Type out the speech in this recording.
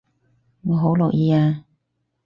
我好樂意啊